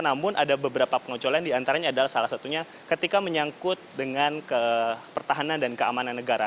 namun ada beberapa pengonculan diantaranya adalah salah satunya ketika menyangkut dengan pertahanan dan keamanan negara